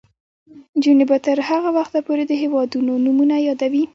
نجونې به تر هغه وخته پورې د هیوادونو نومونه یادوي.